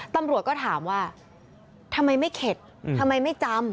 ตำรวจก็ถามว่าทำไมไม่เข็ดทำไมไม่จำ